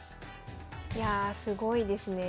いやあすごいですね。